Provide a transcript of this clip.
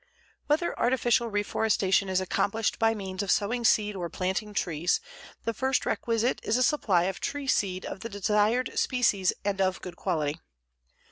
Whether artificial reforestation is accomplished by means of sowing seed or planting trees, the first requisite is a supply of tree seed of the desired species and of good quality.